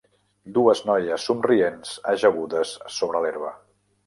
Dues noies somrients ajagudes sobre l'herba .